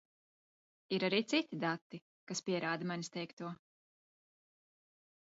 Ir arī citi dati, kas pierāda manis teikto.